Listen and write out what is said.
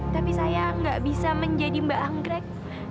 tapi saya nggak bisa menjadi mbak anggrek